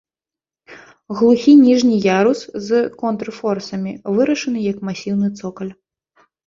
Глухі ніжні ярус з контрфорсамі вырашаны як масіўны цокаль.